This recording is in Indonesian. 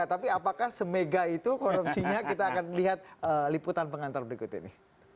tapi apakah semega itu korupsinya kita akan lihat liputan pengantar berikut ini